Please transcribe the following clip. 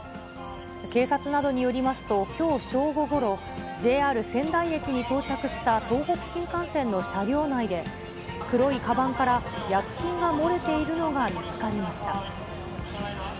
警察などによりますと、きょう正午ごろ、ＪＲ仙台駅に到着した東北新幹線の車両内で、黒いかばんから薬品が漏れているのが見つかりました。